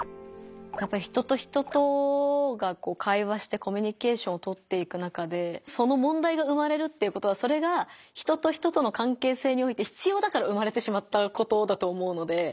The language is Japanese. やっぱり人と人とが会話してコミュニケーションをとっていく中でそのもんだいが生まれるっていうことはそれが人と人との関係性において必要だから生まれてしまったことだと思うので。